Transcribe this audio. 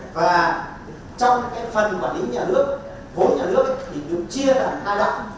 và trong phần quản lý nhà nước vốn nhà nước thì được chia vào hai đoạn